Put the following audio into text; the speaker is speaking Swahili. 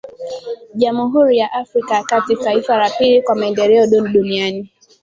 Jamhuri ya Afrika ya kati taifa la pili kwa maendeleo duni duniani